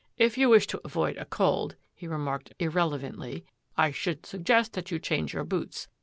" If you wish to avoid a cold," he remarked irrelevantly, " I should sug gest that you change your boots.